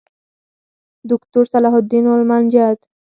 دوکتور صلاح الدین المنجد